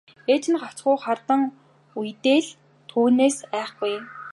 Ээж нь гагцхүү хардах үедээ л түүнээс айхгүй.